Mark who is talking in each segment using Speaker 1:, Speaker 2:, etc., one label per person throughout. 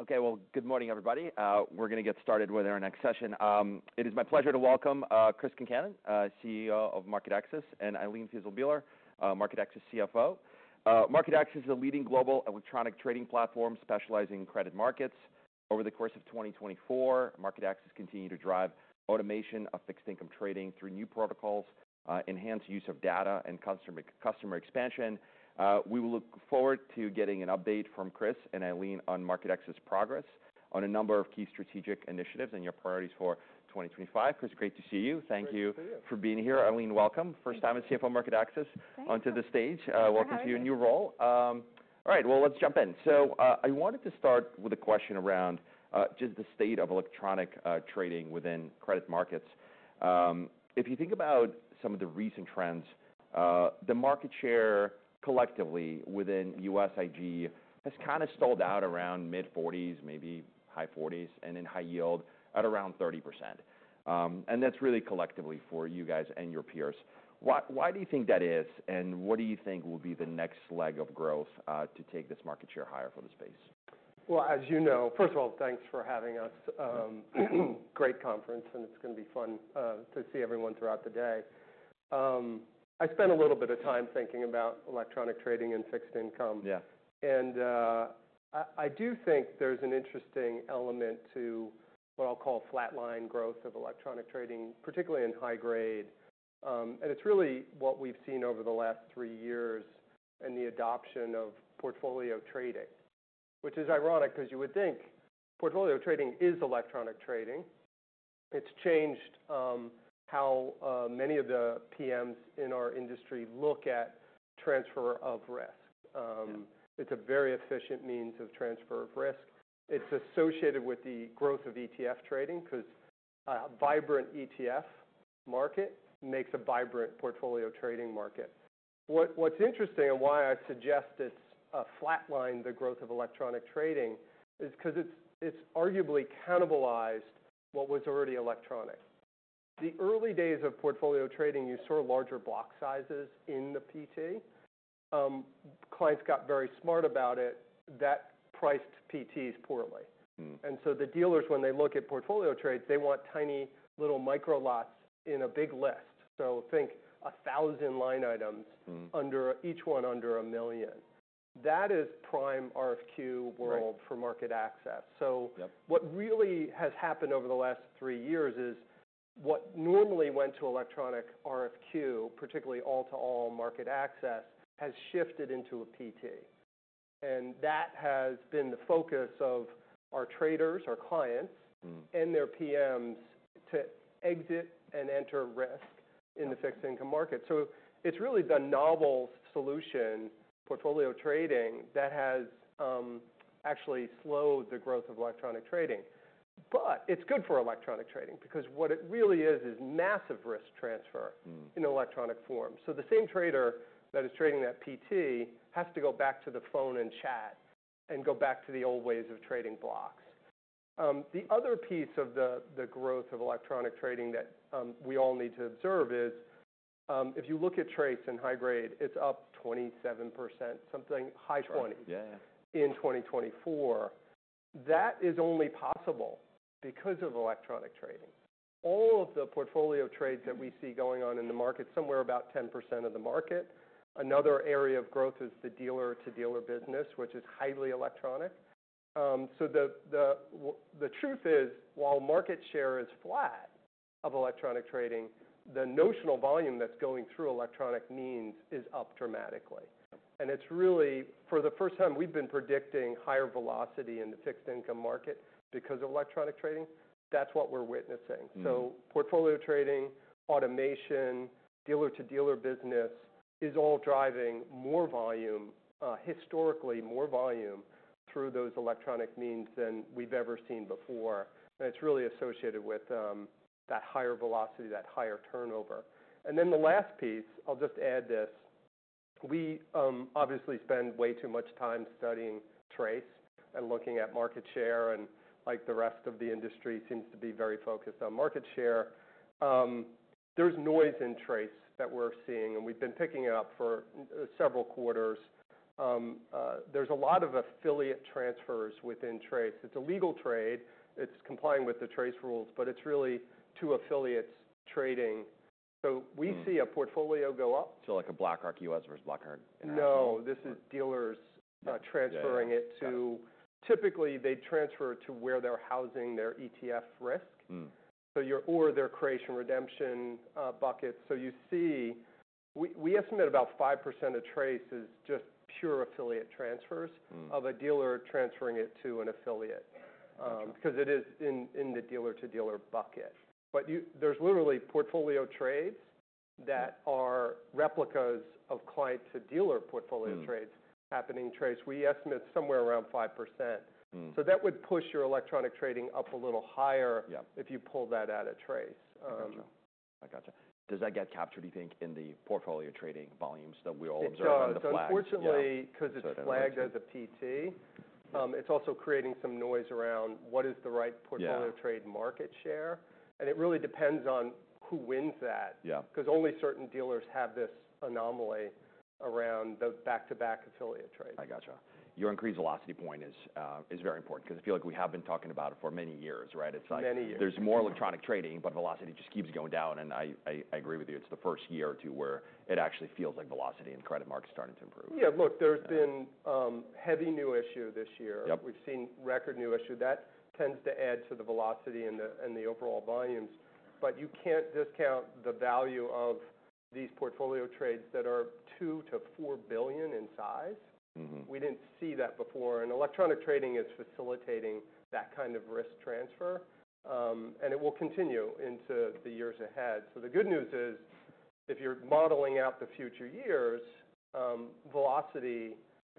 Speaker 1: Okay. Well, good morning, everybody. We're gonna get started with our next session. It is my pleasure to welcome Chris Concannon, CEO of MarketAxess, and Ilene Fiszel Bieler, MarketAxess CFO. MarketAxess is a leading global electronic trading platform specializing in credit markets. Over the course of 2024, MarketAxess continued to drive automation of fixed-income trading through new protocols, enhanced use of data, and customer expansion. We will look forward to getting an update from Chris and Ilene on MarketAxess' progress on a number of key strategic initiatives and your priorities for 2025. Chris, great to see you. Thank you.
Speaker 2: Nice to see you.
Speaker 1: For being here. Ilene, welcome. First time as CFO MarketAxess.
Speaker 3: Thank you.
Speaker 1: Onto the stage. Welcome to your new role.
Speaker 3: Thank you.
Speaker 1: All right. Well, let's jump in. So, I wanted to start with a question around just the state of electronic trading within credit markets. If you think about some of the recent trends, the market share collectively within U.S. IG has kinda stalled out around mid-40s, maybe high 40s, and then high yield at around 30%, and that's really collectively for you guys and your peers. Why, why do you think that is, and what do you think will be the next leg of growth to take this market share higher for the space?
Speaker 2: As you know, first of all, thanks for having us. Great conference, and it's gonna be fun to see everyone throughout the day. I spent a little bit of time thinking about electronic trading and fixed income.
Speaker 1: Yeah.
Speaker 2: I do think there's an interesting element to what I'll call flatline growth of electronic trading, particularly in high grade, and it's really what we've seen over the last three years in the adoption of portfolio trading, which is ironic 'cause you would think portfolio trading is electronic trading. It's changed how many of the PMs in our industry look at transfer of risk.
Speaker 1: Yeah.
Speaker 2: It's a very efficient means of transfer of risk. It's associated with the growth of ETF trading 'cause a vibrant ETF market makes a vibrant portfolio trading market. What's interesting and why I suggest it's flatlined the growth of electronic trading is 'cause it's arguably cannibalized what was already electronic. The early days of portfolio trading, you saw larger block sizes in the PT. Clients got very smart about it that priced PTs poorly. And so the dealers, when they look at portfolio trades, they want tiny little micro-lots in a big list. So think 1,000 line items. Under each one under a million. That is prime RFQ world.
Speaker 1: Yeah.
Speaker 2: For MarketAxess.
Speaker 1: Yep.
Speaker 2: What really has happened over the last three years is what normally went to electronic RFQ, particularly all-to-all MarketAxess, has shifted into a PT. And that has been the focus of our traders, our clients, and their PMs to exit and enter risk in the fixed-income market. So it's really the novel solution, portfolio trading, that has actually slowed the growth of electronic trading. But it's good for electronic trading because what it really is is massive risk transfer in electronic form. So the same trader that is trading that PT has to go back to the phone and chat and go back to the old ways of trading blocks. The other piece of the growth of electronic trading that we all need to observe is, if you look at TRACE in high grade, it's up 27%, something high 20.
Speaker 1: Sure. Yeah.
Speaker 2: In 2024. That is only possible because of electronic trading. All of the portfolio trades that we see going on in the market, somewhere about 10% of the market. Another area of growth is the dealer-to-dealer business, which is highly electronic, so the truth is, while market share is flat of electronic trading, the notional volume that's going through electronic means is up dramatically.
Speaker 1: Yep.
Speaker 2: It's really, for the first time, we've been predicting higher velocity in the fixed-income market because of electronic trading. That's what we're witnessing. Portfolio trading, automation, dealer-to-dealer business is all driving more volume, historically more volume through those electronic means than we've ever seen before. It's really associated with that higher velocity, that higher turnover. The last piece, I'll just add this. We obviously spend way too much time studying TRACE and looking at market share, and like the rest of the industry seems to be very focused on market share. There's noise in TRACE that we're seeing, and we've been picking it up for several quarters. There's a lot of affiliate transfers within TRACE. It's a legal trade. It's complying with the TRACE rules, but it's really two affiliates trading. We see a portfolio go up.
Speaker 1: Like a BlackRock US versus BlackRock.
Speaker 2: No, this is dealers transferring it to.
Speaker 1: Yeah.
Speaker 2: Typically, they transfer to where they're housing their ETF risk. So your or their creation redemption bucket. So you see we estimate about 5% of TRACE is just pure affiliate transfers. Of a dealer transferring it to an affiliate.
Speaker 1: Gotcha.
Speaker 2: 'Cause it is in the dealer-to-dealer bucket. But there's literally portfolio trades that are replicas of client-to-dealer portfolio trades happening TRACE. We estimate somewhere around 5%. So that would push your electronic trading up a little higher.
Speaker 1: Yep.
Speaker 2: If you pull that out of TRACE.
Speaker 1: Gotcha. I gotcha. Does that get captured, do you think, in the portfolio trading volumes that we all observe on the flag?
Speaker 2: It does. Unfortunately, 'cause it's flagged as a PT.
Speaker 1: So it's an anomaly.
Speaker 2: It's also creating some noise around what is the right portfolio.
Speaker 1: Yeah.
Speaker 2: Tradeweb market share. It really depends on who wins that.
Speaker 1: Yeah.
Speaker 2: 'Cause only certain dealers have this anomaly around the back-to-back affiliate trades.
Speaker 1: I gotcha. Your increased velocity point is very important 'cause I feel like we have been talking about it for many years, right? It's like.
Speaker 2: Many years.
Speaker 1: There's more electronic trading, but velocity just keeps going down. And I agree with you. It's the first year or two where it actually feels like velocity in credit markets is starting to improve.
Speaker 2: Yeah. Look, there's been heavy new issue this year.
Speaker 1: Yep.
Speaker 2: We've seen record new issue. That tends to add to the velocity and the overall volumes. But you can't discount the value of these portfolio trades that are $2 billion-$4 billion in size.
Speaker 1: Mm-hmm.
Speaker 2: We didn't see that before. And electronic trading is facilitating that kind of risk transfer and it will continue into the years ahead. So the good news is, if you're modeling out the future years, velocity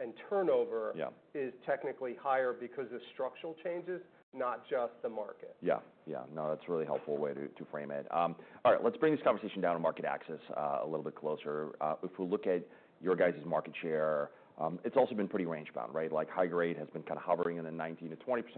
Speaker 2: and turnover.
Speaker 1: Yeah.
Speaker 2: Is technically higher because of structural changes, not just the market.
Speaker 1: Yeah. Yeah. No, that's a really helpful way to to frame it. All right. Let's bring this conversation down to MarketAxess, a little bit closer. If we look at your guys' market share, it's also been pretty range-bound, right? Like high grade has been kinda hovering in the 19%-20%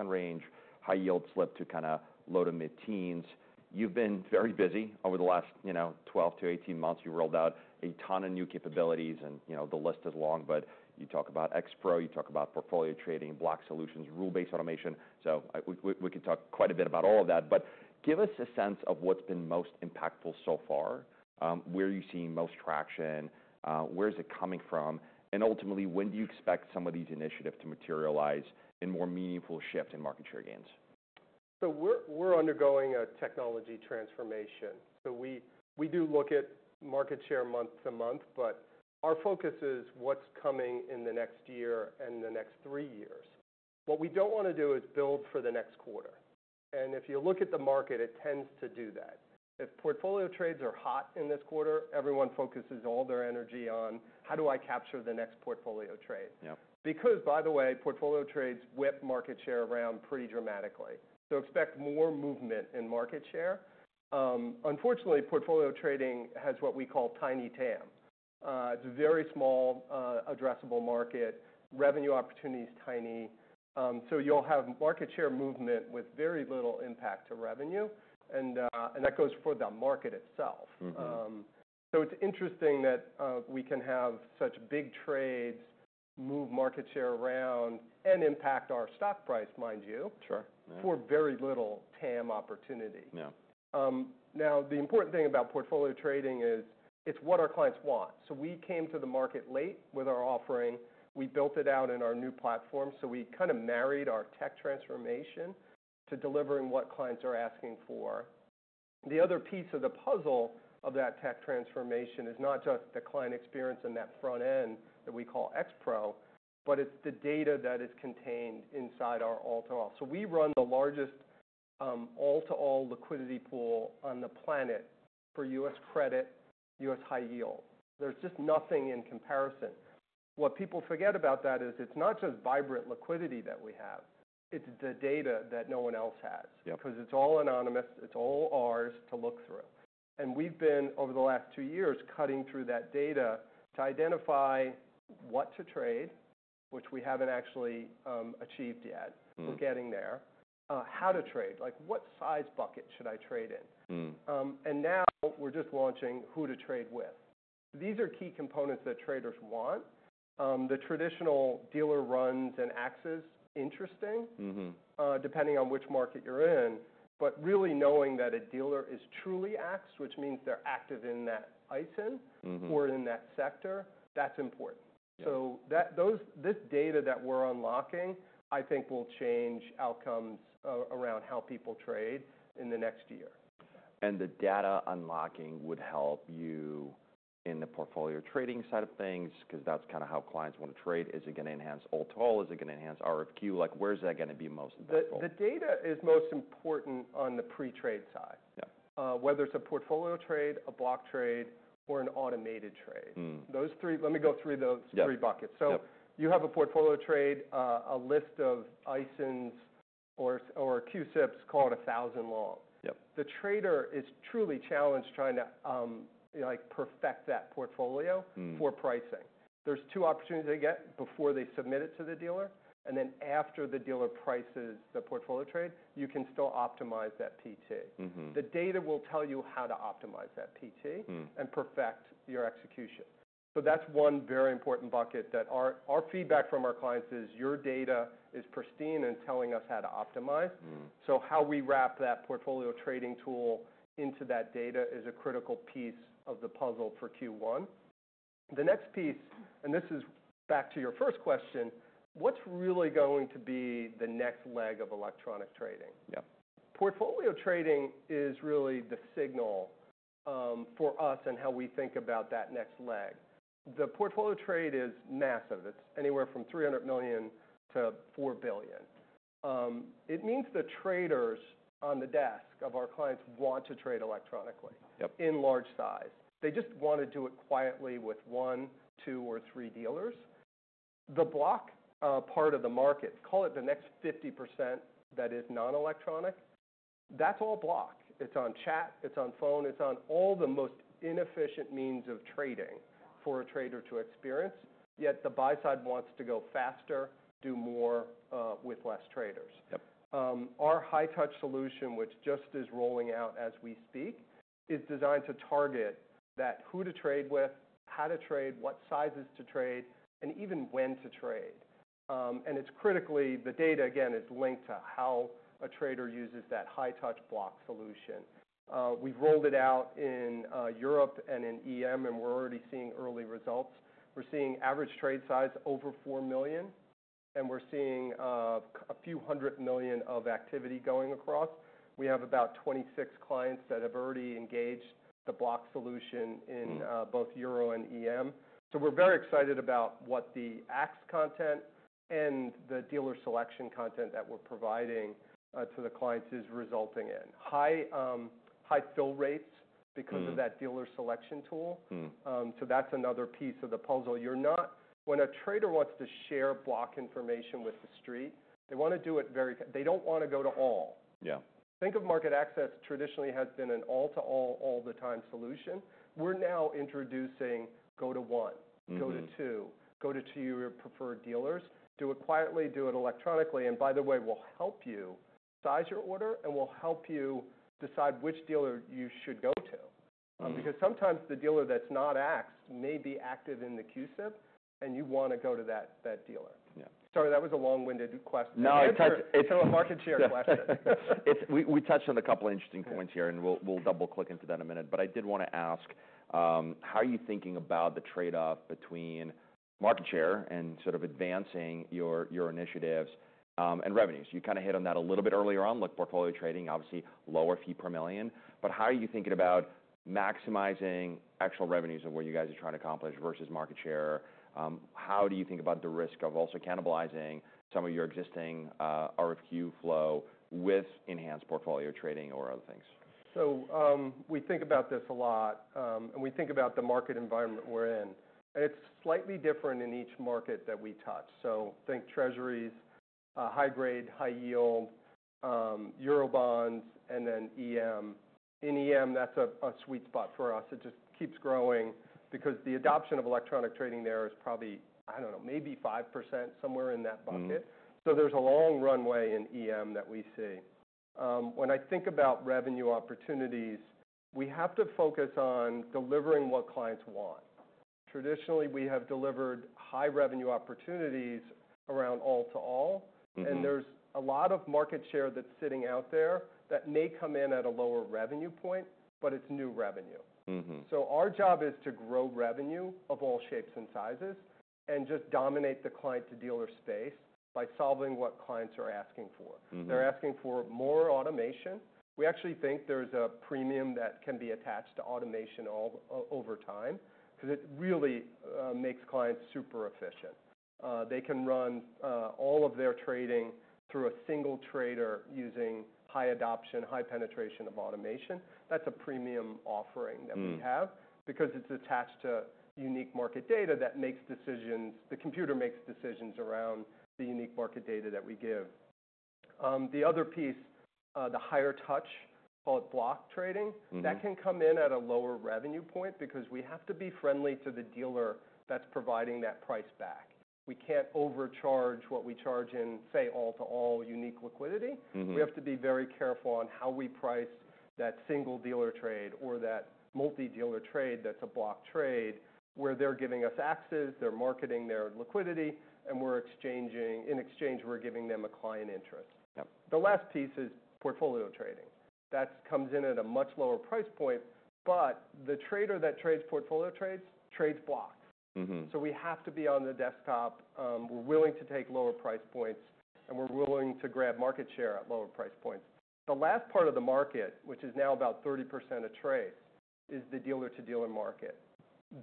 Speaker 1: range. High yield slipped to kinda low- to mid-teens. You've been very busy over the last, you know, 12 to 18 months. You rolled out a ton of new capabilities, and, you know, the list is long, but you talk about X Pro, you talk about portfolio trading, block solutions, rule-based automation. So I, we could talk quite a bit about all of that. But give us a sense of what's been most impactful so far. Where are you seeing most traction? Where is it coming from? Ultimately, when do you expect some of these initiatives to materialize in more meaningful shift in market share gains?
Speaker 2: So we're undergoing a technology transformation. So we do look at market share month to month, but our focus is what's coming in the next year and the next three years. What we don't wanna do is build for the next quarter. And if you look at the market, it tends to do that. If portfolio trades are hot in this quarter, everyone focuses all their energy on, "How do I capture the next portfolio trade?
Speaker 1: Yep.
Speaker 2: Because, by the way, portfolio trades whip market share around pretty dramatically. So expect more movement in market share. Unfortunately, portfolio trading has what we call tiny TAM. It's a very small, addressable market. Revenue opportunity's tiny. So you'll have market share movement with very little impact to revenue. And that goes for the market itself.
Speaker 1: Mm-hmm.
Speaker 2: So it's interesting that we can have such big trades move market share around and impact our stock price, mind you.
Speaker 1: Sure. Yeah.
Speaker 2: For very little TAM opportunity.
Speaker 1: Yeah.
Speaker 2: Now, the important thing about portfolio trading is it's what our clients want. So we came to the market late with our offering. We built it out in our new platform. So we kinda married our tech transformation to delivering what clients are asking for. The other piece of the puzzle of that tech transformation is not just the client experience and that front end that we call X Pro, but it's the data that is contained inside our all-to-all. So we run the largest, all-to-all liquidity pool on the planet for U.S. credit, U.S. high yield. There's just nothing in comparison. What people forget about that is it's not just vibrant liquidity that we have. It's the data that no one else has.
Speaker 1: Yep.
Speaker 2: 'Cause it's all anonymous. It's all ours to look through and we've been, over the last two years, cutting through that data to identify what to trade, which we haven't actually achieved yet. We're getting there. How to trade. Like what size bucket should I trade in, and now we're just launching who to trade with. These are key components that traders want. The traditional dealer runs and axes interesting.
Speaker 1: Mm-hmm.
Speaker 2: Depending on which market you're in. But really knowing that a dealer is truly axed, which means they're active in that ISIN.
Speaker 1: Mm-hmm.
Speaker 2: Or in that sector, that's important.
Speaker 1: Yeah.
Speaker 2: So that this data that we're unlocking, I think, will change outcomes around how people trade in the next year.
Speaker 1: The data unlocking would help you in the portfolio trading side of things 'cause that's kinda how clients wanna trade. Is it gonna enhance all-to-all? Is it gonna enhance RFQ? Like where's that gonna be most impactful?
Speaker 2: The data is most important on the pre-trade side.
Speaker 1: Yep.
Speaker 2: Whether it's a portfolio trade, a block trade, or an automated trade. Those three let me go through those.
Speaker 1: Yep.
Speaker 2: Three buckets.
Speaker 1: Yep.
Speaker 2: So you have a portfolio trade, a list of ISINs or CUSIPs called 1,000 long.
Speaker 1: Yep.
Speaker 2: The trader is truly challenged trying to, like, perfect that portfolio for pricing. There's two opportunities they get before they submit it to the dealer, and then after the dealer prices the portfolio trade, you can still optimize that PT.
Speaker 1: Mm-hmm.
Speaker 2: The data will tell you how to optimize that PT and perfect your execution. So that's one very important bucket that our feedback from our clients is your data is pristine and telling us how to optimize. So how we wrap that portfolio trading tool into that data is a critical piece of the puzzle for Q1. The next piece, and this is back to your first question, what's really going to be the next leg of electronic trading?
Speaker 1: Yep.
Speaker 2: Portfolio trading is really the signal, for us and how we think about that next leg. The portfolio trade is massive. It's anywhere from $300 million to $4 billion. It means the traders on the desk of our clients want to trade electronically.
Speaker 1: Yep.
Speaker 2: In large size. They just wanna do it quietly with one, two, or three dealers. The block, part of the market, call it the next 50% that is non-electronic, that's all block. It's on chat. It's on phone. It's on all the most inefficient means of trading for a trader to experience. Yet the buy side wants to go faster, do more, with less traders.
Speaker 1: Yep.
Speaker 2: Our high-touch solution, which just is rolling out as we speak, is designed to target that who to trade with, how to trade, what sizes to trade, and even when to trade. It's critically the data, again, is linked to how a trader uses that high-touch block solution. We've rolled it out in Europe and in EM, and we're already seeing early results. We're seeing average trade size over $4 million. We're seeing a few hundred million of activity going across. We have about 26 clients that have already engaged the block solution in both Euro and EM. We're very excited about what the Axess content and the dealer selection content that we're providing to the clients is resulting in. High fill rates because of that dealer selection tool. That's another piece of the puzzle. When a trader wants to share block information with the street, they wanna do it very. They don't wanna go to all.
Speaker 1: Yeah.
Speaker 2: Think of MarketAxess traditionally has been an all-to-all, all-the-time solution. We're now introducing go to one.
Speaker 1: Mm-hmm.
Speaker 2: Go to two. Go to two of your preferred dealers. Do it quietly. Do it electronically. And by the way, we'll help you size your order, and we'll help you decide which dealer you should go to, because sometimes the dealer that's not axe may be active in the CUSIP, and you wanna go to that, that dealer.
Speaker 1: Yeah.
Speaker 2: Sorry, that was a long-winded question.
Speaker 1: No, it touches. It's a market share question. We touched on a couple interesting points here, and we'll double-click into that in a minute. But I did want to ask, how are you thinking about the trade-off between market share and sort of advancing your initiatives, and revenues? You kinda hit on that a little bit earlier on. Look, portfolio trading, obviously, lower fee per million. But how are you thinking about maximizing actual revenues of what you guys are trying to accomplish versus market share? How do you think about the risk of also cannibalizing some of your existing RFQ flow with enhanced portfolio trading or other things?
Speaker 2: So, we think about this a lot, and we think about the market environment we're in. And it's slightly different in each market that we touch. So think treasuries, high grade, high yield, Euro bonds, and then EM. In EM, that's a sweet spot for us. It just keeps growing because the adoption of electronic trading there is probably, I don't know, maybe 5% somewhere in that bucket. So there's a long runway in EM that we see. When I think about revenue opportunities, we have to focus on delivering what clients want. Traditionally, we have delivered high revenue opportunities around all-to-all.
Speaker 1: Mm-hmm.
Speaker 2: There's a lot of market share that's sitting out there that may come in at a lower revenue point, but it's new revenue.
Speaker 1: Mm-hmm.
Speaker 2: So our job is to grow revenue of all shapes and sizes and just dominate the client-to-dealer space by solving what clients are asking for.
Speaker 1: Mm-hmm.
Speaker 2: They're asking for more automation. We actually think there's a premium that can be attached to automation all over time 'cause it really makes clients super efficient. They can run all of their trading through a single trader using high adoption, high penetration of automation. That's a premium offering that we have. Because it's attached to unique market data that makes decisions the computer makes decisions around the unique market data that we give. The other piece, the higher touch, call it block trading.
Speaker 1: Mm-hmm.
Speaker 2: That can come in at a lower revenue point because we have to be friendly to the dealer that's providing that price back. We can't overcharge what we charge in, say, all-to-all unique liquidity.
Speaker 1: Mm-hmm.
Speaker 2: We have to be very careful on how we price that single dealer trade or that multi-dealer trade that's a block trade where they're giving us axes, they're marketing their liquidity, and we're exchanging in exchange, we're giving them a client interest.
Speaker 1: Yep.
Speaker 2: The last piece is portfolio trading. That comes in at a much lower price point, but the trader that trades portfolio trades block.
Speaker 1: Mm-hmm.
Speaker 2: So we have to be on the desktop. We're willing to take lower price points, and we're willing to grab market share at lower price points. The last part of the market, which is now about 30% of trades, is the dealer-to-dealer market.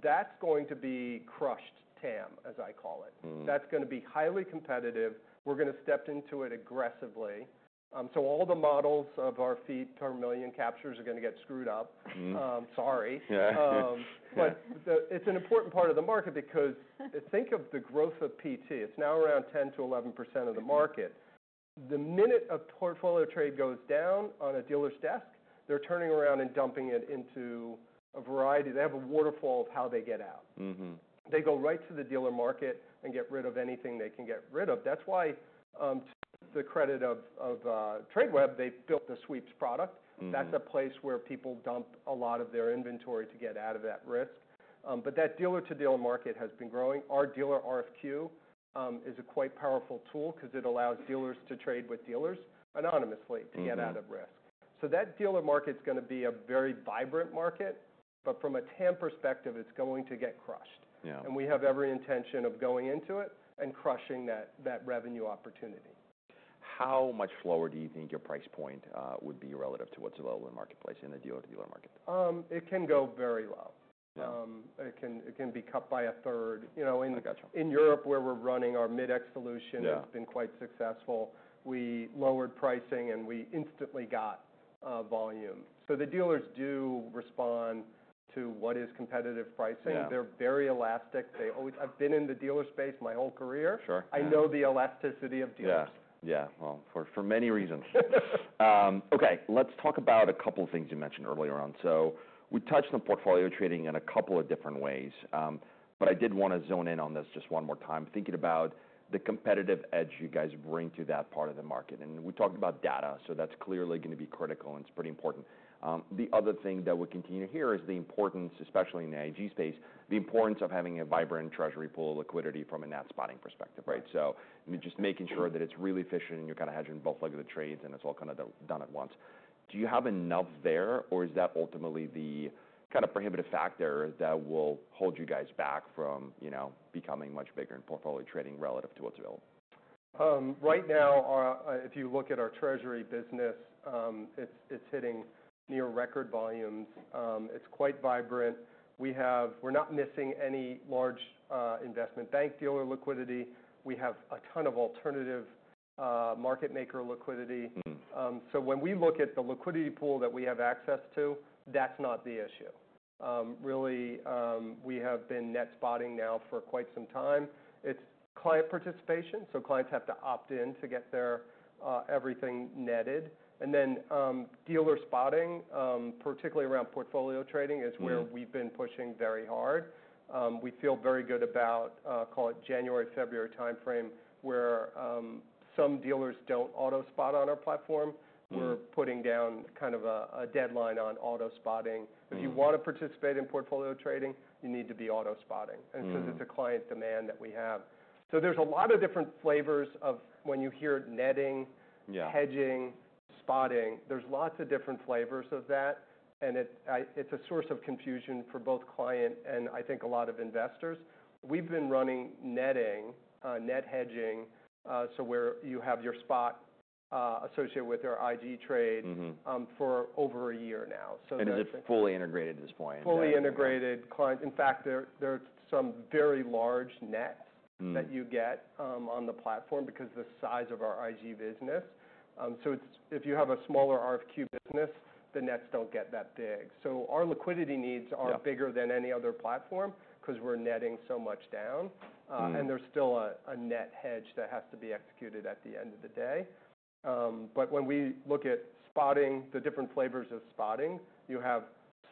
Speaker 2: That's going to be crushed TAM, as I call it.
Speaker 1: Mm-hmm.
Speaker 2: That's gonna be highly competitive. We're gonna step into it aggressively. So all the models of our fee per million captures are gonna get screwed up.
Speaker 1: Mm-hmm.
Speaker 2: sorry.
Speaker 1: Yeah.
Speaker 2: But it's an important part of the market because think of the growth of PT. It's now around 10%-11% of the market. The minute a portfolio trade goes down on a dealer's desk, they're turning around and dumping it into a variety. They have a waterfall of how they get out.
Speaker 1: Mm-hmm.
Speaker 2: They go right to the dealer market and get rid of anything they can get rid of. That's why, to the credit of Tradeweb, they built the Sweeps product.
Speaker 1: Mm-hmm.
Speaker 2: That's a place where people dump a lot of their inventory to get out of that risk. But that dealer-to-dealer market has been growing. Our dealer RFQ is a quite powerful tool 'cause it allows dealers to trade with dealers anonymously.
Speaker 1: Mm-hmm.
Speaker 2: To get out of risk. So that dealer market's gonna be a very vibrant market, but from a TAM perspective, it's going to get crushed.
Speaker 1: Yeah.
Speaker 2: We have every intention of going into it and crushing that revenue opportunity.
Speaker 1: How much lower do you think your price point would be relative to what's available in the marketplace in the dealer-to-dealer market?
Speaker 2: It can go very low.
Speaker 1: Yeah.
Speaker 2: It can be cut by a third. You know, in.
Speaker 1: I gotcha.
Speaker 2: In Europe, where we're running our Mid-X solution.
Speaker 1: Yeah.
Speaker 2: It's been quite successful. We lowered pricing, and we instantly got volume. So the dealers do respond to what is competitive pricing.
Speaker 1: Yeah.
Speaker 2: They're very elastic. I've been in the dealer space my whole career.
Speaker 1: Sure.
Speaker 2: I know the elasticity of dealers.
Speaker 1: Yeah. Yeah. Well, for many reasons. Okay. Let's talk about a couple of things you mentioned earlier on. So we touched on portfolio trading in a couple of different ways. But I did wanna zone in on this just one more time, thinking about the competitive edge you guys bring to that part of the market. And we talked about data, so that's clearly gonna be critical, and it's pretty important. The other thing that we'll continue to hear is the importance, especially in the IG space, the importance of having a vibrant treasury pool of liquidity from an auto-spotting perspective, right?
Speaker 2: Mm-hmm.
Speaker 1: So just making sure that it's really efficient, and you're kinda hedging both legs of the trades, and it's all kinda done at once. Do you have enough there, or is that ultimately the kinda prohibitive factor that will hold you guys back from, you know, becoming much bigger in portfolio trading relative to what's available?
Speaker 2: Right now, if you look at our treasury business, it's hitting near record volumes. It's quite vibrant. We're not missing any large investment bank dealer liquidity. We have a ton of alternative market maker liquidity. So when we look at the liquidity pool that we have access to, that's not the issue. Really, we have been net spotting now for quite some time. It's client participation, so clients have to opt in to get their everything netted. Then, dealer spotting, particularly around portfolio trading, is where we've been pushing very hard. We feel very good about, call it January, February timeframe where some dealers don't auto-spot on our platform.
Speaker 1: Mm-hmm.
Speaker 2: We're putting down kind of a deadline on Auto-spotting.
Speaker 1: Mm-hmm.
Speaker 2: If you wanna participate in portfolio trading, you need to be auto-spotting.
Speaker 1: Mm-hmm.
Speaker 2: And so it's a client demand that we have. So there's a lot of different flavors of when you hear netting.
Speaker 1: Yeah.
Speaker 2: Hedging, spotting. There's lots of different flavors of that, and it's a source of confusion for both client and I think a lot of investors. We've been running netting, net hedging, so where you have your spot, associated with our IG trade.
Speaker 1: Mm-hmm.
Speaker 2: for over a year now. So that's.
Speaker 1: Is it fully integrated at this point?
Speaker 2: Fully integrated. Clients, in fact, there are some very large nets.
Speaker 1: Mm-hmm.
Speaker 2: That you get on the platform because of the size of our IG business. So it's if you have a smaller RFQ business, the nets don't get that big. So our liquidity needs are bigger than any other platform 'cause we're netting so much down.
Speaker 1: Mm-hmm.
Speaker 2: And there's still a net hedge that has to be executed at the end of the day. But when we look at spotting, the different flavors of spotting, you have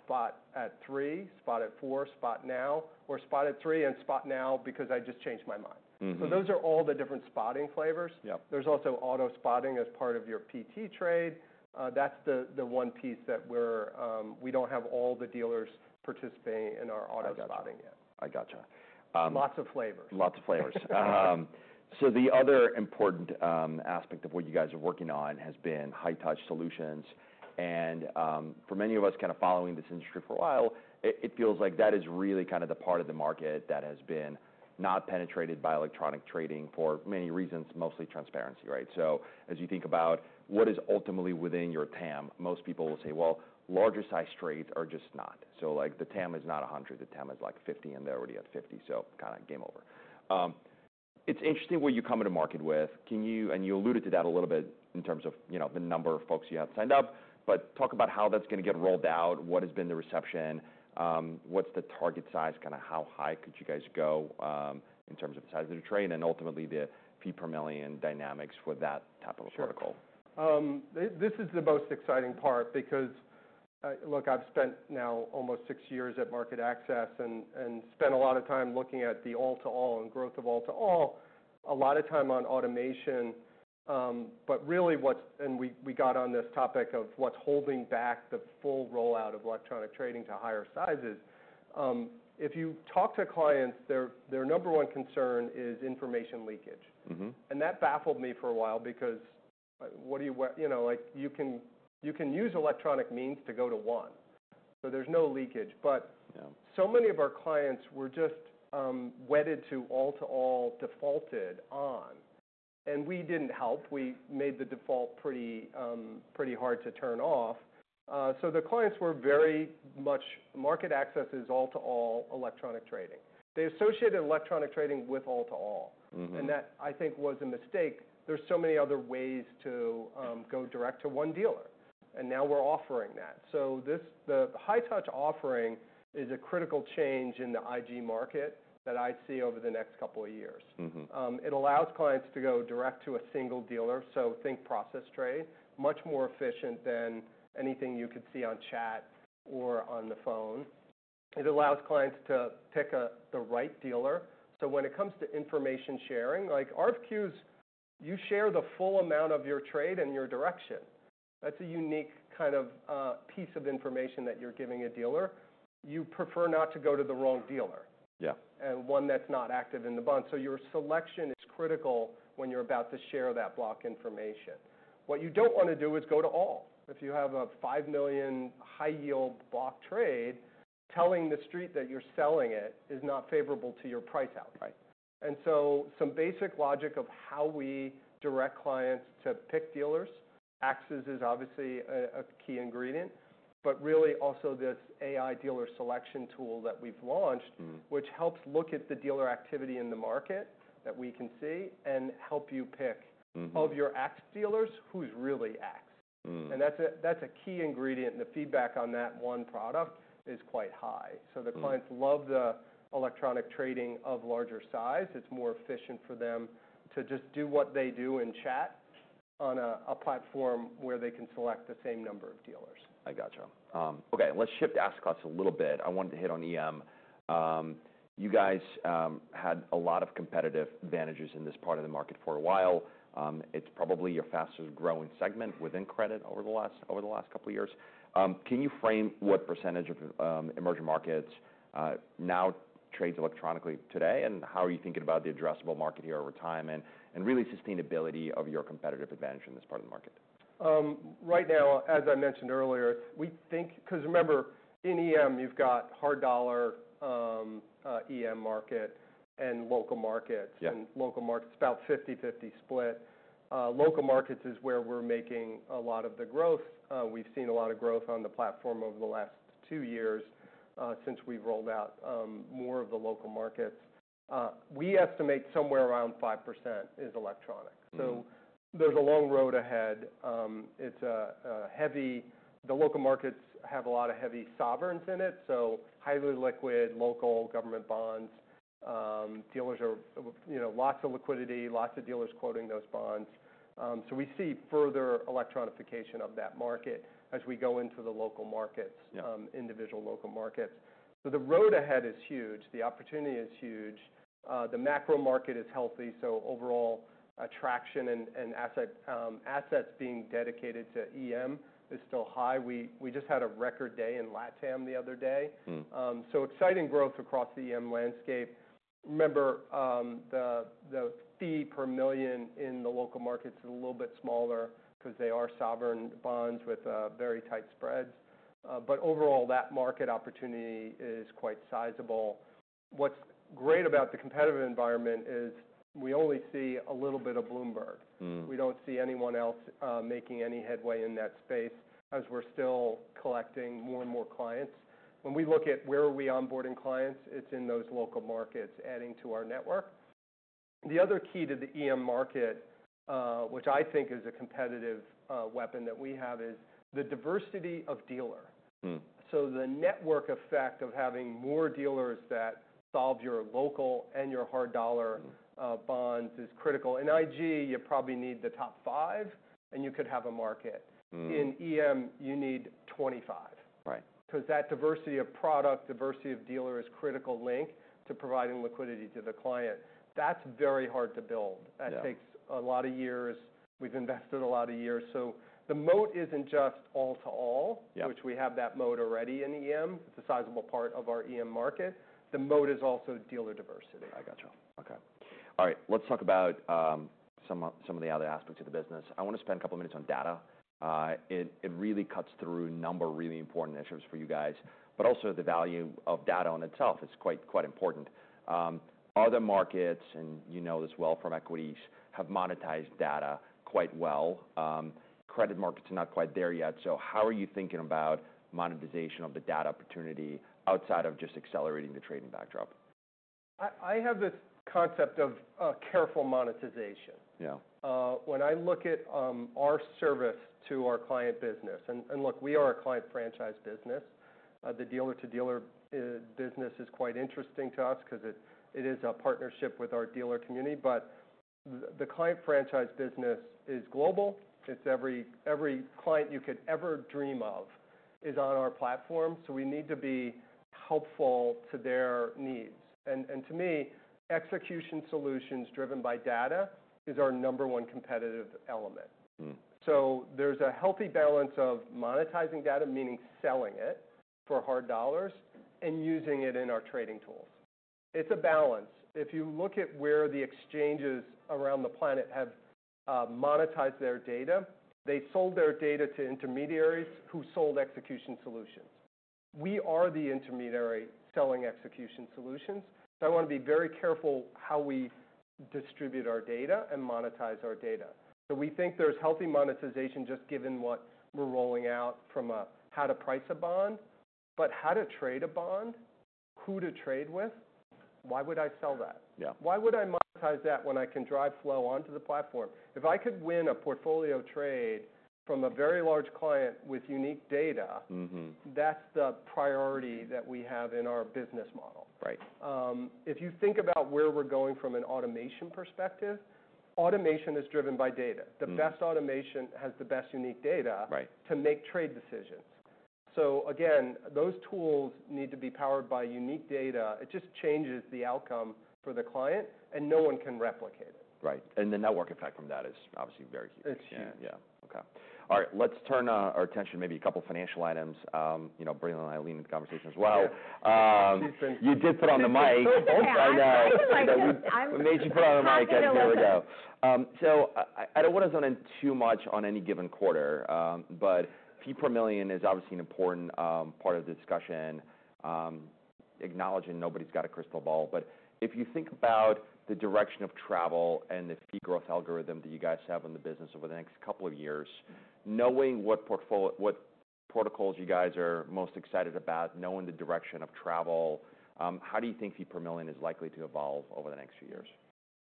Speaker 2: spot at three, spot at four, spot now, or spot at three and spot now because I just changed my mind.
Speaker 1: Mm-hmm.
Speaker 2: Those are all the different spotting flavors.
Speaker 1: Yep.
Speaker 2: There's also auto-spotting as part of your PT trade. That's the one piece that we don't have all the dealers participating in our auto-spotting yet.
Speaker 1: I gotcha. I gotcha.
Speaker 2: Lots of flavors.
Speaker 1: Lots of flavors. So the other important aspect of what you guys are working on has been high-touch solutions. And, for many of us kinda following this industry for a while, it feels like that is really kinda the part of the market that has been not penetrated by electronic trading for many reasons, mostly transparency, right? So as you think about what is ultimately within your TAM, most people will say, "Well, larger size trades are just not." So, like, the TAM is not 100. The TAM is like 50, and they already had 50, so kinda game over. It's interesting what you come into market with. Can you, and you alluded to that a little bit in terms of, you know, the number of folks you have signed up, but talk about how that's gonna get rolled out, what has been the reception, what's the target size, kinda how high could you guys go, in terms of the size of the trade, and ultimately the fee per million dynamics for that type of a protocol?
Speaker 2: Sure. This is the most exciting part because, look, I've spent now almost six years at MarketAxess and spent a lot of time looking at the all-to-all and growth of all-to-all, a lot of time on automation. But really what's and we got on this topic of what's holding back the full rollout of electronic trading to higher sizes. If you talk to clients, their number one concern is information leakage.
Speaker 1: Mm-hmm.
Speaker 2: That baffled me for a while because what do we, you know, like, you can use electronic means to go to one, so there's no leakage. But.
Speaker 1: Yeah.
Speaker 2: So many of our clients were just wedded to all-to-all defaulted on, and we didn't help. We made the default pretty, pretty hard to turn off. So the clients were very much MarketAxess's all-to-all electronic trading. They associated electronic trading with all-to-all.
Speaker 1: Mm-hmm.
Speaker 2: That, I think, was a mistake. There's so many other ways to go direct to one dealer, and now we're offering that, so this, the high-touch offering is a critical change in the IG market that I see over the next couple of years.
Speaker 1: Mm-hmm.
Speaker 2: It allows clients to go direct to a single dealer, so think process trade, much more efficient than anything you could see on chat or on the phone. It allows clients to pick, the right dealer. So when it comes to information sharing, like, RFQs, you share the full amount of your trade and your direction. That's a unique kind of, piece of information that you're giving a dealer. You prefer not to go to the wrong dealer.
Speaker 1: Yeah.
Speaker 2: One that's not active in the bond. Your selection is critical when you're about to share that block information. What you don't wanna do is go to all. If you have a five million high-yield block trade, telling the street that you're selling it is not favorable to your price outcome.
Speaker 1: Right.
Speaker 2: And so some basic logic of how we direct clients to pick dealers. Axes is obviously a key ingredient, but really also this AI dealer selection tool that we've launched.
Speaker 1: Mm-hmm.
Speaker 2: Which helps look at the dealer activity in the market that we can see and help you pick.
Speaker 1: Mm-hmm.
Speaker 2: Of your axed dealers, who's really axed?
Speaker 1: Mm-hmm.
Speaker 2: And that's a key ingredient, and the feedback on that one product is quite high. So the clients love the electronic trading of larger size. It's more efficient for them to just do what they do in chat on a platform where they can select the same number of dealers.
Speaker 1: I gotcha. Okay. Let's shift to asset classes a little bit. I wanted to hit on EM. You guys had a lot of competitive advantages in this part of the market for a while. It's probably your fastest growing segment within credit over the last couple of years. Can you frame what percentage of emerging markets now trades electronically today, and how are you thinking about the addressable market here over time and really sustainability of your competitive advantage in this part of the market?
Speaker 2: Right now, as I mentioned earlier, we think 'cause remember, in EM, you've got hard dollar, EM market and local markets.
Speaker 1: Yeah.
Speaker 2: Local markets, about 50/50 split. Local markets is where we're making a lot of the growth. We've seen a lot of growth on the platform over the last two years, since we've rolled out more of the local markets. We estimate somewhere around 5% is electronic.
Speaker 1: Mm-hmm.
Speaker 2: So there's a long road ahead. It's heavy, the local markets have a lot of heavy sovereigns in it, so highly liquid local government bonds. Dealers are, you know, lots of liquidity, lots of dealers quoting those bonds. So we see further electronification of that market as we go into the local markets.
Speaker 1: Yeah.
Speaker 2: individual local markets. So the road ahead is huge. The opportunity is huge. The macro market is healthy, so overall attraction and assets being dedicated to EM is still high. We just had a record day in LatAm the other day.
Speaker 1: Mm-hmm.
Speaker 2: So exciting growth across the EM landscape. Remember, the fee per million in the local markets is a little bit smaller 'cause they are sovereign bonds with very tight spreads. But overall, that market opportunity is quite sizable. What's great about the competitive environment is we only see a little bit of Bloomberg.
Speaker 1: Mm-hmm.
Speaker 2: We don't see anyone else, making any headway in that space as we're still collecting more and more clients. When we look at where are we onboarding clients, it's in those local markets adding to our network. The other key to the EM market, which I think is a competitive, weapon that we have, is the diversity of dealer. So the network effect of having more dealers that solve your local and your hard dollar.
Speaker 1: Mm-hmm.
Speaker 2: Bonds is critical. In IG, you probably need the top five, and you could have a market.
Speaker 1: Mm-hmm.
Speaker 2: In EM, you need 25.
Speaker 1: Right.
Speaker 2: 'Cause that diversity of product, diversity of dealer is critical link to providing liquidity to the client. That's very hard to build.
Speaker 1: Yeah.
Speaker 2: That takes a lot of years. We've invested a lot of years. So the moat isn't just all-to-all.
Speaker 1: Yeah.
Speaker 2: Which we have that moat already in EM. It's a sizable part of our EM market. The moat is also dealer diversity.
Speaker 1: I gotcha. Okay. All right. Let's talk about some of the other aspects of the business. I wanna spend a couple of minutes on data. It really cuts through a number of really important initiatives for you guys, but also the value of data on itself is quite important. Other markets, and you know this well from equities, have monetized data quite well. Credit markets are not quite there yet. So how are you thinking about monetization of the data opportunity outside of just accelerating the trading backdrop?
Speaker 2: I have this concept of careful monetization.
Speaker 1: Yeah.
Speaker 2: When I look at our service to our client business and look, we are a client franchise business. The dealer-to-dealer business is quite interesting to us 'cause it is a partnership with our dealer community, but the client franchise business is global. It's every client you could ever dream of is on our platform, so we need to be helpful to their needs. And to me, execution solutions driven by data is our number one competitive element, so there's a healthy balance of monetizing data, meaning selling it for hard dollars, and using it in our trading tools. It's a balance. If you look at where the exchanges around the planet have monetized their data, they sold their data to intermediaries who sold execution solutions. We are the intermediary selling execution solutions. I wanna be very careful how we distribute our data and monetize our data. We think there's healthy monetization just given what we're rolling out from a how to price a bond, but how to trade a bond, who to trade with, why would I sell that?
Speaker 1: Yeah.
Speaker 2: Why would I monetize that when I can drive flow onto the platform? If I could win a portfolio trade from a very large client with unique data.
Speaker 1: Mm-hmm.
Speaker 2: That's the priority that we have in our business model.
Speaker 1: Right.
Speaker 2: If you think about where we're going from an automation perspective, automation is driven by data.
Speaker 1: Mm-hmm.
Speaker 2: The best automation has the best unique data.
Speaker 1: Right.
Speaker 2: To make trade decisions. So again, those tools need to be powered by unique data. It just changes the outcome for the client, and no one can replicate it.
Speaker 1: Right, and the network effect from that is obviously very huge.
Speaker 2: It's huge.
Speaker 1: Let's turn our attention to a couple of financial items, you know. Bring Ilene into the conversation as well.
Speaker 2: Yeah.
Speaker 1: You did put on the mic.
Speaker 2: I know.
Speaker 1: I know. I made you put on the mic, and here we go. So I don't wanna zone in too much on any given quarter, but fee per million is obviously an important part of the discussion, acknowledging nobody's got a crystal ball. But if you think about the direction of travel and the fee growth algorithm that you guys have in the business over the next couple of years, knowing what portfolio protocols you guys are most excited about, knowing the direction of travel, how do you think fee per million is likely to evolve over the next few years?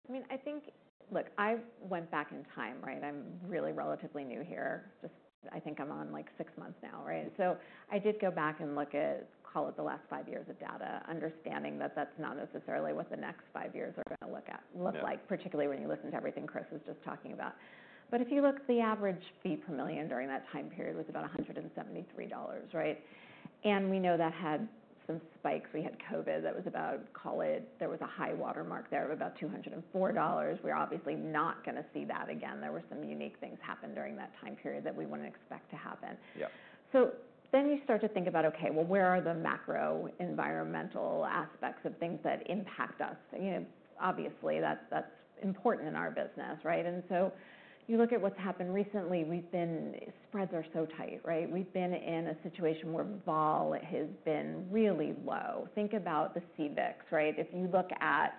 Speaker 3: I mean, I think look, I went back in time, right? I'm really relatively new here. Just I think I'm on like six months now, right? So I did go back and look at, call it the last five years of data, understanding that that's not necessarily what the next five years are gonna look like.
Speaker 1: Mm-hmm.
Speaker 3: Particularly when you listen to everything Chris is just talking about. But if you look, the average fee per million during that time period was about $173, right? And we know that had some spikes. We had COVID that was about call it there was a high watermark there of about $204. We're obviously not gonna see that again. There were some unique things happen during that time period that we wouldn't expect to happen.
Speaker 1: Yeah.
Speaker 3: So then you start to think about, okay, well, where are the macro environmental aspects of things that impact us? You know, obviously, that's, that's important in our business, right? And so you look at what's happened recently. We've been spreads are so tight, right? We've been in a situation where vol has been really low. Think about the CVIX, right? If you look at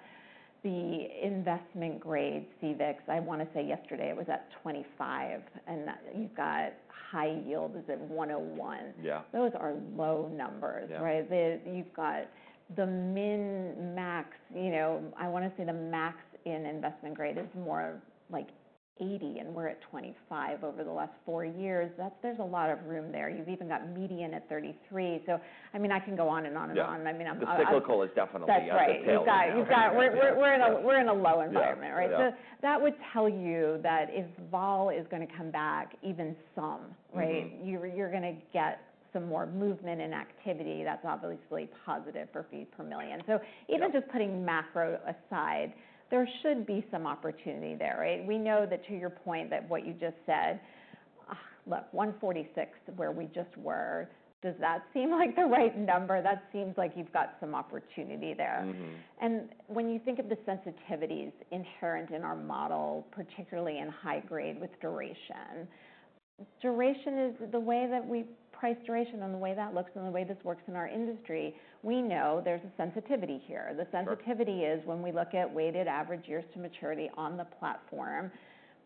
Speaker 3: the investment grade CVIX, I wanna say yesterday it was at 25, and you've got high yield is at 101.
Speaker 1: Yeah.
Speaker 3: Those are low numbers, right?
Speaker 1: Yeah.
Speaker 3: Then you've got the min max, you know, I wanna say the max in investment grade is more like 80, and we're at 25 over the last four years. That's. There's a lot of room there. You've even got median at 33. So, I mean, I can go on and on and on.
Speaker 1: Yeah.
Speaker 3: I mean, I'm not.
Speaker 1: The cyclical is definitely at the tail end.
Speaker 3: That's right. You've got, we're in a low environment, right?
Speaker 1: Yeah.
Speaker 3: So that would tell you that if vol is gonna come back even some, right?
Speaker 1: Mm-hmm.
Speaker 3: You're gonna get some more movement and activity. That's obviously positive for fee per million. So even just putting macro aside, there should be some opportunity there, right? We know that to your point that what you just said, look, 146 where we just were, does that seem like the right number? That seems like you've got some opportunity there.
Speaker 1: Mm-hmm.
Speaker 3: When you think of the sensitivities inherent in our model, particularly in high grade with duration, duration is the way that we price duration and the way that looks and the way this works in our industry. We know there's a sensitivity here. The sensitivity is when we look at weighted average years to maturity on the platform.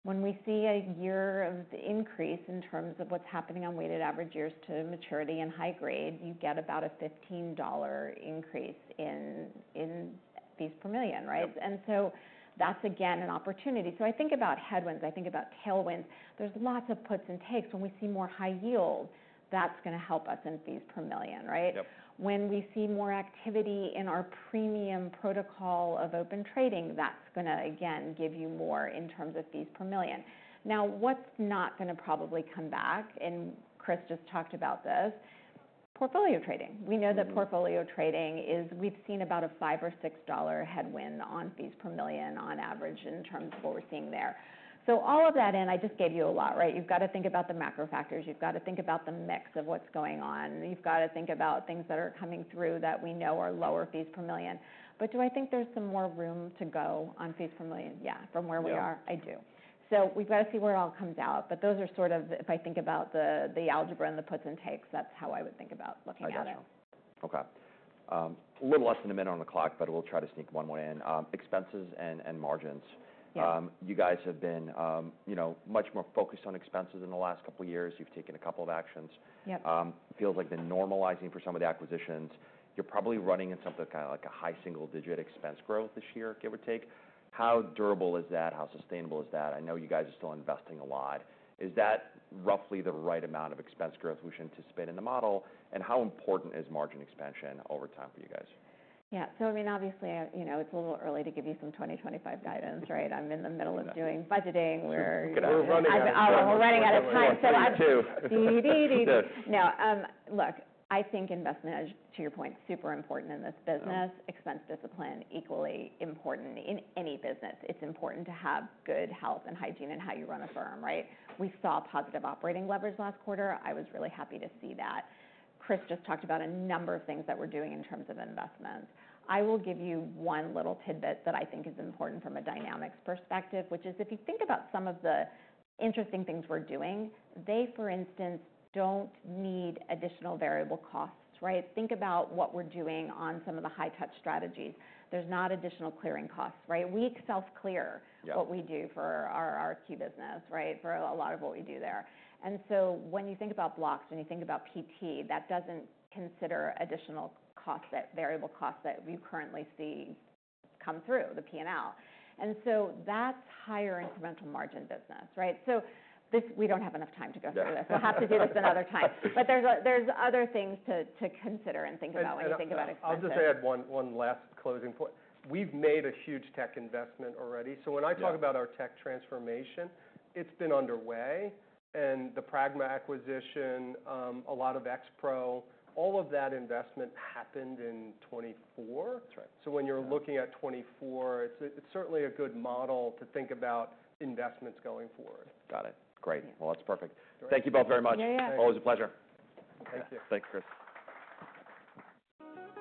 Speaker 3: When we see a year of increase in terms of what's happening on weighted average years to maturity and high grade, you get about a $15 increase in fees per million, right?
Speaker 1: Mm-hmm.
Speaker 3: And so that's, again, an opportunity. So I think about headwinds. I think about tailwinds. There's lots of puts and takes. When we see more high yield, that's gonna help us in fees per million, right?
Speaker 1: Yep.
Speaker 3: When we see more activity in our premium protocol of Open Trading, that's gonna, again, give you more in terms of fees per million. Now, what's not gonna probably come back, and Chris just talked about this, portfolio trading. We know that portfolio trading is we've seen about a $5 or $6 headwind on fees per million on average in terms of what we're seeing there. So all of that in, I just gave you a lot, right? You've gotta think about the macro factors. You've gotta think about the mix of what's going on. You've gotta think about things that are coming through that we know are lower fees per million. But do I think there's some more room to go on fees per million? Yeah. From where we are.
Speaker 1: Yeah.
Speaker 3: I do. So we've gotta see where it all comes out. But those are sort of, if I think about the algebra and the puts and takes, that's how I would think about looking at it.
Speaker 1: I gotcha. Okay. A little less than a minute on the clock, but we'll try to sneak one more in. Expenses and margins.
Speaker 3: Yep.
Speaker 1: You guys have been, you know, much more focused on expenses in the last couple of years. You've taken a couple of actions.
Speaker 3: Yep.
Speaker 1: Feels like the normalizing for some of the acquisitions. You're probably running in something kinda like a high single-digit expense growth this year, give or take. How durable is that? How sustainable is that? I know you guys are still investing a lot. Is that roughly the right amount of expense growth we should anticipate in the model? And how important is margin expansion over time for you guys?
Speaker 3: Yeah. So, I mean, obviously, you know, it's a little early to give you some 2025 guidance, right? I'm in the middle of doing budgeting. We're.
Speaker 1: We're running out of time.
Speaker 3: We're running out of time.
Speaker 1: Me too.
Speaker 3: Dee, dee, dee, dee. Now, look, I think investment is, to your point, super important in this business. Expense discipline equally important in any business. It's important to have good health and hygiene in how you run a firm, right? We saw positive operating leverage last quarter. I was really happy to see that. Chris just talked about a number of things that we're doing in terms of investments. I will give you one little tidbit that I think is important from a dynamics perspective, which is if you think about some of the interesting things we're doing, they, for instance, don't need additional variable costs, right? Think about what we're doing on some of the high-touch strategies. There's not additional clearing costs, right? We self-clear.
Speaker 1: Yeah.
Speaker 3: What we do for our key business, right? For a lot of what we do there. And so when you think about blocks, when you think about PT, that doesn't consider additional costs, variable costs that we currently see come through the P&L. And so that's higher incremental margin business, right? So this we don't have enough time to go through this. We'll have to do this another time. But there's other things to consider and think about when you think about expenses.
Speaker 1: I'll just add one last closing point. We've made a huge tech investment already. So when I talk about our tech transformation, it's been underway, and the Pragma acquisition, a lot of X Pro, all of that investment happened in 2024. That's right, so when you're looking at 2024, it's certainly a good model to think about investments going forward. Got it. Great, well, that's perfect. Thank you both very much.
Speaker 3: Yeah, yeah.
Speaker 1: Always a pleasure.
Speaker 2: Thank you.
Speaker 1: Thank you, Chris.